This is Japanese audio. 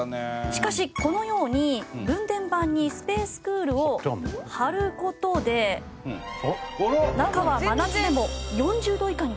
しかしこのように分電盤にＳＰＡＣＥＣＯＯＬを貼る事で中は真夏でも４０度以下に保たれます。